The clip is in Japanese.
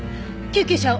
救急車を！